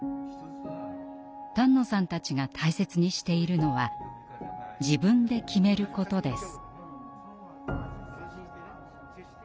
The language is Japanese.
丹野さんたちが大切にしているのは「自分で決めること」です。